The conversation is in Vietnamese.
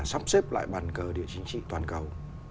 sắp xếp lại bàn cờ địa chính trị toàn cầu